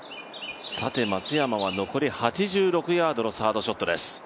松山は残り８３ヤードのサードショットです。